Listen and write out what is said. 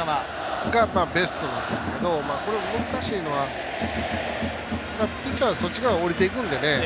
それがベストなんですけど難しいのはピッチャーはそっち側、おりていくので。